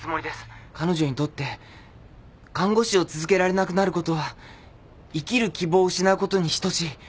彼女にとって看護師を続けられなくなることは生きる希望を失うことに等しい。